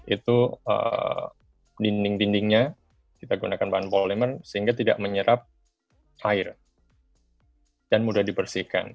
itu dinding dindingnya kita gunakan bahan poleman sehingga tidak menyerap air dan mudah dibersihkan